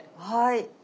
はい。